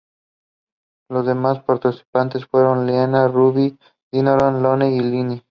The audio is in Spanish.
Los demás participantes fueron Leyla, Ruby, Dinorah, Noel y Lily.